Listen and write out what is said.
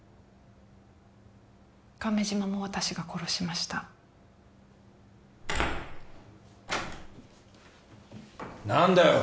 亀島も私が殺しました何だよ